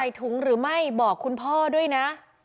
ถุงหรือไม่บอกคุณพ่อด้วยนะ